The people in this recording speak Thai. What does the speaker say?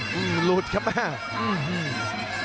หอมลูดครับนะ